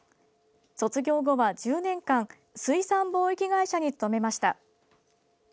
卒業後は１０年間水産貿易会社に勤めました。